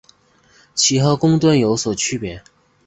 其和公吨有所区别。